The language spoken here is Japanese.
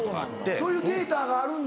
そういうデータがあるんだ。